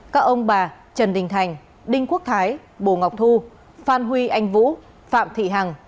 các ông bà trần đình thành đinh quốc thái bồ ngọc thu phan huy anh vũ phạm thị hằng